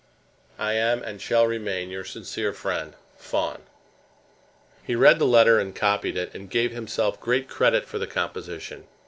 I am, and shall remain, Your sincere friend, FAWN. He read the letter and copied it, and gave himself great credit for the composition.